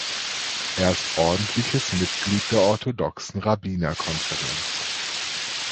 Er ist ordentliches Mitglied der Orthodoxen Rabbinerkonferenz.